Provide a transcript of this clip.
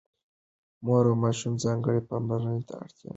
مور او ماشوم ځانګړې پاملرنې ته اړتيا لري.